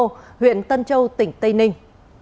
tp hcm tp hcm huyện tân châu tỉnh tây ninh